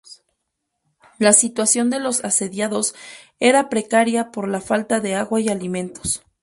La situación de los asediados era precaria por la falta de agua y alimentos.